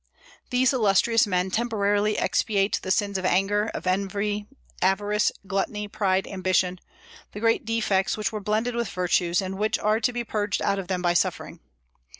These illustrious men temporarily expiate the sins of anger, of envy, avarice, gluttony, pride, ambition, the great defects which were blended with virtues, and which are to be purged out of them by suffering.